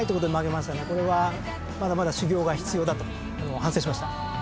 これはまだまだ修業が必要だと反省しました。